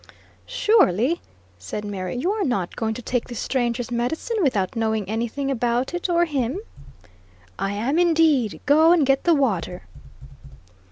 "Surely," said Mary, "you are not going to take this stranger's medicine without knowing anything about it, or him?" "I am indeed; go and get the water."